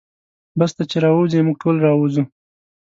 بس ته چې راووځې موږ ټول راوځو.